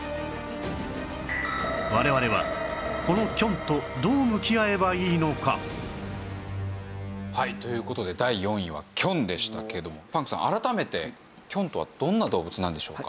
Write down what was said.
我々はこのキョンとはい。という事で第４位はキョンでしたけどもパンクさん改めてキョンとはどんな動物なんでしょうか？